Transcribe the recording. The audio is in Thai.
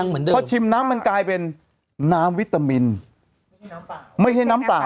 เพราะชิมน้ำมันกลายเป็นน้ำวิตามินไม่ใช่น้ำเปล่า